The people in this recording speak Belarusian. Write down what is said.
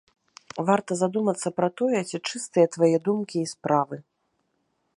Варта задумацца пра тое, ці чыстыя твае думкі і справы.